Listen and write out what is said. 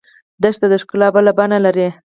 دښته د ښکلا بله بڼه لري.